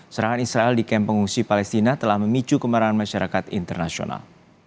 serangan israel di kamp pengungsi palestina telah memicu kemarahan masyarakat internasional